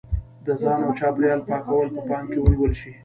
د ځان او چاپېریال پاکوالی په پام کې ونیول شي.